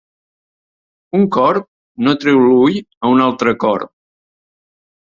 Un corb no treu l'ull a un altre corb.